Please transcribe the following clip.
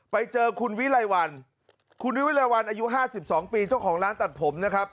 ไปเจอคุณวิไลวันคุณวิรัยวัลอายุ๕๒ปีเจ้าของร้านตัดผมนะครับ